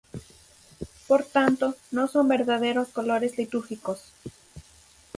Por tanto no son verdaderos colores litúrgicos.